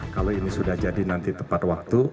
kalau ini sudah jadi nanti tepat waktu